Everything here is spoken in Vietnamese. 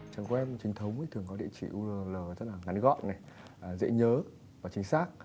trường web trình thống thường có địa chỉ url rất là ngắn gọn dễ nhớ và chính xác